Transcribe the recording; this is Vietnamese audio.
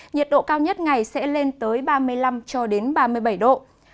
nhiệt độ cao nhất ngày sẽ lên tới ba mươi năm ba mươi bảy độ